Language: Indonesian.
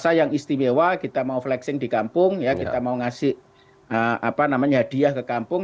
masa yang istimewa kita mau flexing di kampung ya kita mau ngasih hadiah ke kampung